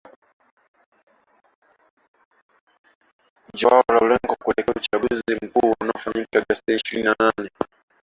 Joao Lourenco kuelekea uchaguzi mkuu unaofanyika Agosti ishirini na nne